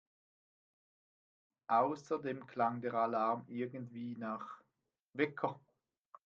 Außerdem klang der Alarm irgendwie nach … Wecker!